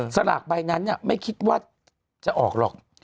สลากใบนั้นไม่คิดว่าจะออกหรอก